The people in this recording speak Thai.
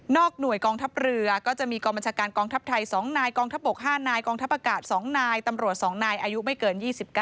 หน่วยกองทัพเรือก็จะมีกองบัญชาการกองทัพไทย๒นายกองทัพบก๕นายกองทัพอากาศ๒นายตำรวจ๒นายอายุไม่เกิน๒๙